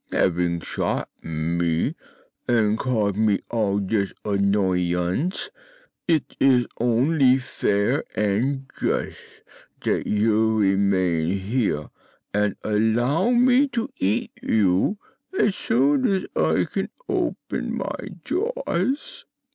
Having shot me, and so caused me all this annoyance, it is only fair and just that you remain here and allow me to eat you as soon as I can open my jaws."